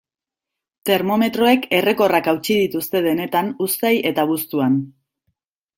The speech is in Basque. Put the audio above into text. Termometroek errekorrak hautsi dituzte denetan uztail eta abuztuan.